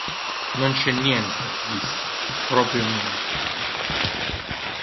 Non c'è niente, disse, proprio niente.